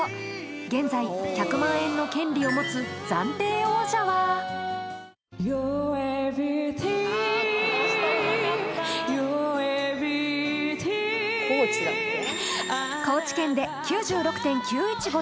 現在１００万円の権利を持つ暫定王者は高知県で９６．９１５